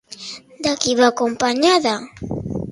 De qui va acompanyada?